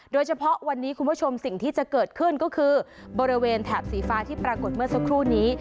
โดยเฉพาะวันนี้คุณผู้ชมสิ่งที่จะเกิดขึ้นก็คือบริเวณแถบสีฟ้าที่ปรากฏเมื่อสักครู่นี้